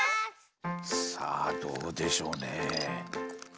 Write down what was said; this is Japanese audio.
さあどうでしょうねえ。